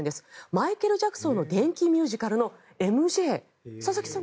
マイケル・ジャクソンの伝記ミュージカルの「ＭＪ」佐々木さん